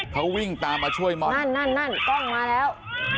เขาวิ่งตามมาช่วยมองนั่นนั่นกล้องมาแล้ว